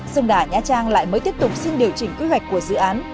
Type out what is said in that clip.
sông đà nha trang lại mới tiếp tục xin điều chỉnh quy hoạch của dự án